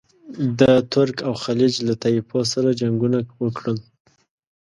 د ترک او خلج له طایفو سره جنګونه وکړل.